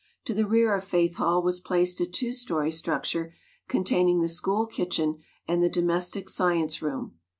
To the rear of Faith Hall was placed a two story structure containing the school kitchen and the domestic science room.